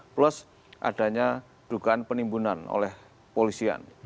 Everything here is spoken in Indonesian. plus adanya dugaan penimbunan oleh polisian